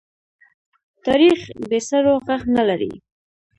تاریخ بې سرو ږغ نه لري.